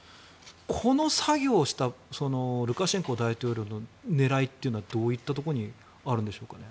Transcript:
この作業をしたルカシェンコ大統領の狙いっていうのはどういったところにあるんでしょうか。